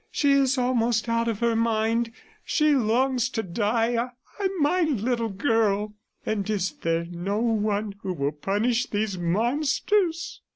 She is almost out of her mind. She longs to die! Ay, my little girl! ... And is there no one who will punish these monsters?"